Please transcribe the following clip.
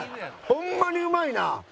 ホンマにうまいな！